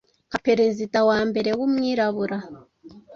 nka perezida wa mbere w’umwirabura